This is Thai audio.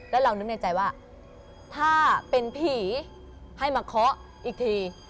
แล้วเรานึกในใจว่าถ้าเป็นผีให้มาเคาะอีกที